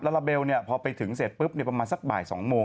แล้วระเบลเนี่ยพอไปถึงเสร็จปุ๊บเนี่ยประมาณสักบ่าย๒โมง